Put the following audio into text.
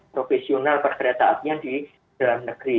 profesional perkeretaapian di dalam negeri